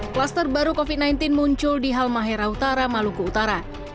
kluster baru covid sembilan belas muncul di halmahera utara maluku utara